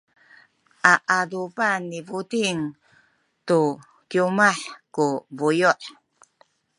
a adupan ni Buting tu kiwmah ku buyu’.